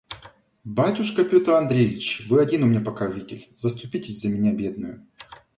Батюшка Петр Андреич! вы один у меня покровитель; заступитесь за меня бедную.